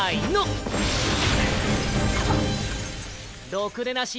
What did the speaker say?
ろくでなし